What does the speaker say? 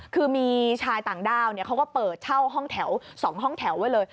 คือมีชายต่างด้าวเขาก็เปิดเช่าห้องแถว๒ห้องแถวไว้เลย